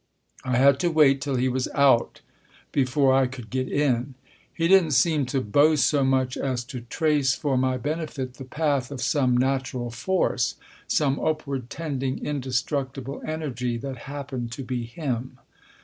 I had to wait till he was " out " before I could get in.) He didn't seem to boast so much as to trace for my benefit the path of some natural force, some upward tending, indestructible Energy that happened to be him.